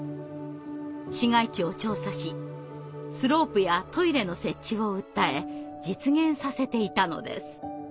市街地を調査しスロープやトイレの設置を訴え実現させていたのです。